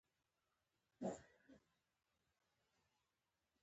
فېسبوک د زده کړې او پوهې د خپرولو ځای دی